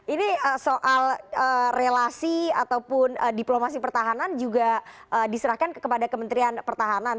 ini soal relasi ataupun diplomasi pertahanan juga diserahkan kepada kementerian pertahanan